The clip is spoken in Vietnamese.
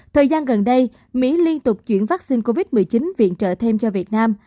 thời gian gần đây mỹ liên tục chuyển vaccine covid một mươi chín viện trợ thêm cho việt nam